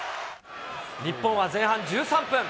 日本は前半１３分。